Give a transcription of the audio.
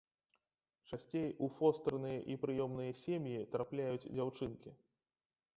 Часцей у фостэрныя і прыёмныя сем'і трапляюць дзяўчынкі.